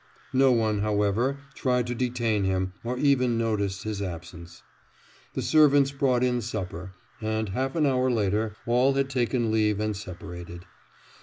No one, however, tried to detain him or even noticed his absence. The servants brought in supper, and half an hour later, all had taken leave and separated.